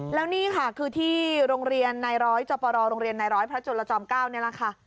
แล้วนี่ค่ะคือที่โรงเรียนนายร้อยจปรโรงเรียนนายร้อยพระจุลจอม๙นี่แหละค่ะ